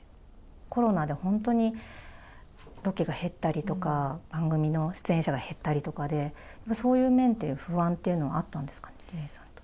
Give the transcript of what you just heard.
コロナで本当にロケが減ったりとか、番組の出演者が減ったりとかで、そういう面って、不安っていうのはあったんですかね？